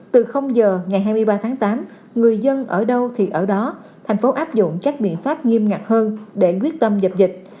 từ giờ ngày hai mươi ba tháng tám người dân ở đâu thì ở đó thành phố áp dụng các biện pháp nghiêm ngặt hơn để quyết tâm dập dịch